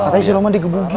katanya si roman digebukin